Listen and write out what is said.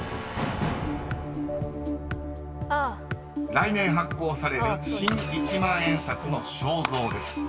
［来年発行される新一万円札の肖像です］